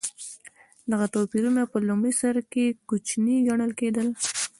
دغه توپیرونه په لومړي سر کې کوچني ګڼل کېدل.